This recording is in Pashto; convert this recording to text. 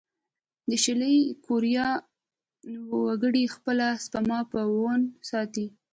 د شلي کوریا وګړي خپله سپما په وون ساتي.